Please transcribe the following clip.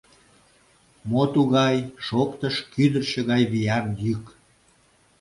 — Мо тугай? — шоктыш кӱдырчӧ гай виян йӱк.